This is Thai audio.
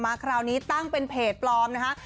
คราวนี้ตั้งเป็นเพจปลอมนะคะ